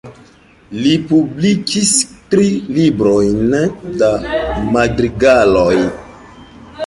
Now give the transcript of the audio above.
Li publikis tri librojn da madrigaloj.